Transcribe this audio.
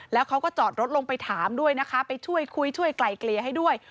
แล้วเขาก็จอดรถลงไปถามด้วยนะคะไปช่วยคุยช่วยไกลเกลี่ยให้ด้วย